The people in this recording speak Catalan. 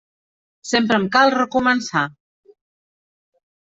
Sempre em cal recomençar.